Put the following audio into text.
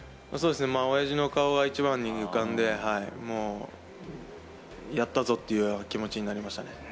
親父の顔が一番に浮かんで、もうやったぞという気持ちになりました。